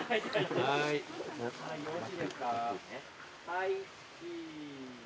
・はいチーズ。